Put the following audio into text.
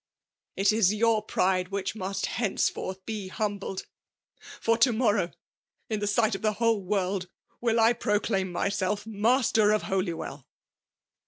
— It is your pride which must henceforth be humbled ; for to morrow, in the sight of the whole worlds will I proclaim myself master of Holywell.'